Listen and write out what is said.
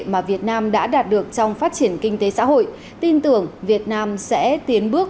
mà việt nam đã đạt được trong phát triển kinh tế xã hội tin tưởng việt nam sẽ tiến bước